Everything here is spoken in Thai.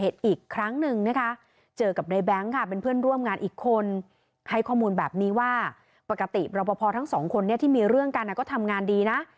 ทั้งสองคนเนี่ยที่มีเรื่องกันก็ทำงานดีนะ